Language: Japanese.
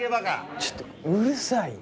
ちょっとうるさいよ。